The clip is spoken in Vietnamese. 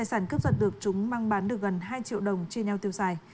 tài sản cướp giật được chúng mang bán được gần hai triệu đồng chia nhau tiêu xài